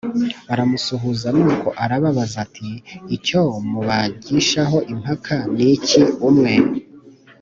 baramusuhuza Nuko arababaza ati icyo mubagishaho impaka ni iki Umwe